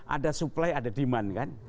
ada supply ada demand kan